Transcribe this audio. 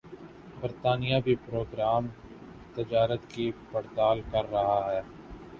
برطانیہ بھِی پروگرام تجارت کی پڑتال کر رہا ہے